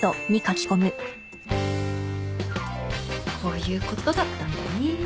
こういうことだったんだね。